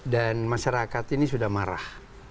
dan masyarakat ini sudah marah